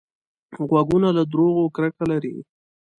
غوږونه له دروغو کرکه لري